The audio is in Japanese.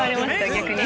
逆に。